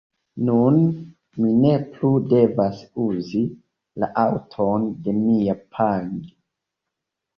Nun mi ne plu devas uzi la aŭton de mia panjo.